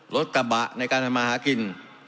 รถกระบะในการทำมาหากิน